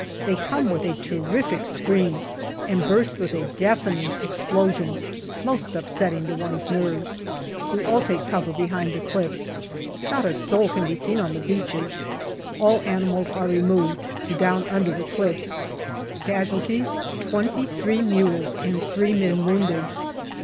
They come with a terrific scream and burst with a deafening explosion, most upsetting to one's nerves. We all take cover behind the cliff. Not a soul can be seen on the beaches. All animals are removed to down under the cliff. Casualties, twenty three mules and three men wounded.